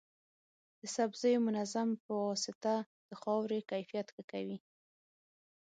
د سبزیو منظم پواسطه د خاورې کیفیت ښه کوي.